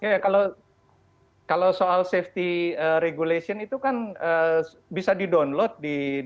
iya kalau soal safety regulation itu kan bisa di download di website kita